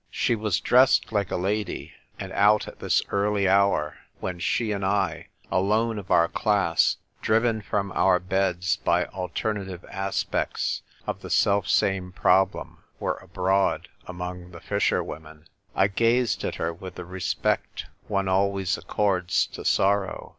She was dressed like a lady ; and out at this early hour; when she and I, alone of our class, driven from our beds by alternative aspects of the self same problem, were abroad among the fisherwomen. I gazed at her with the respect one always accords to sorrow.